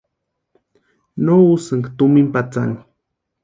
No úsïnka tumina patsani.